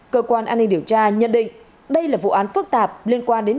cơ quan an ninh điều tra nhận định đây là vụ án phức tạp liên quan đến